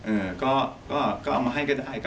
เอามาให้ก็ได้